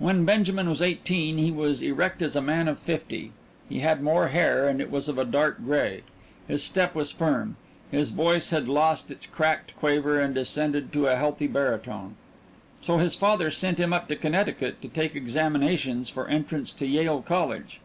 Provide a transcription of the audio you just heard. When Benjamin was eighteen he was erect as a man of fifty; he had more hair and it was of a dark gray; his step was firm, his voice had lost its cracked quaver and descended to a healthy baritone. So his father sent him up to Connecticut to take examinations for entrance to Yale College.